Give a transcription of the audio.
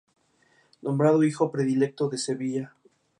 Es originario de las montañas de Asia.